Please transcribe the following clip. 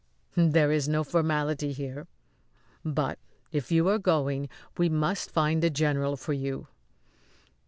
"There is no formality here; but if you are going we must find the general for you."